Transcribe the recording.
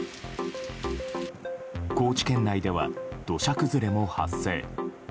高知県内では土砂崩れも発生。